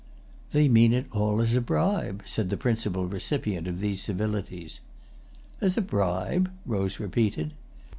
"They mean it all as a bribe," said the principal recipient of these civilities. "As a bribe?" Rose repeated.